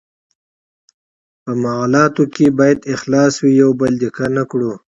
په معالاتو کې باید اخلاص وي، یو بل ډیکه نه کړي.